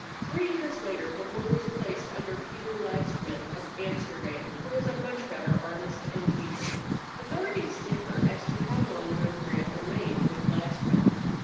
Three years later the boy was placed under Pieter Lastman, of Amsterdam, who was a much better artist and teacher. Authorities differ as to how long Rembrandt remained with Lastman.